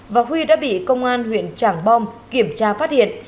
và huy đã bị công an huyện trảng bom kiểm tra phát hiện